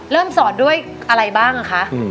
เริ่มสอนด้วยอะไรบ้างอ่ะคะ